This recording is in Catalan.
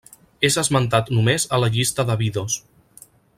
És esmentat només a la llista d'Abidos.